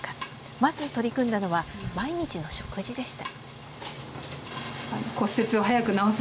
まず取り組んだのは毎日の食事でした。